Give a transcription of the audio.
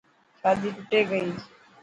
شادي ٽٽي گئي.